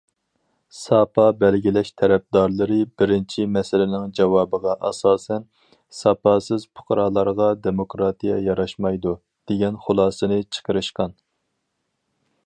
« ساپا بەلگىلەش تەرەپدارلىرى» بىرىنچى مەسىلىنىڭ جاۋابىغا ئاساسەن« ساپاسىز پۇقرالارغا دېموكراتىيە ياراشمايدۇ» دېگەن خۇلاسىنى چىقىرىشقان.